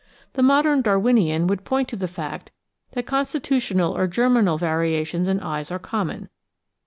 The modern Darwinian would point to the fact that constitutional or germinal variations in eyes are common.